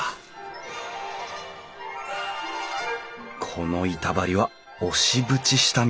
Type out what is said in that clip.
この板張りは押し縁下見。